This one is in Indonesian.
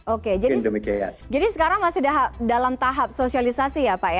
oke jadi sekarang masih dalam tahap sosialisasi ya pak ya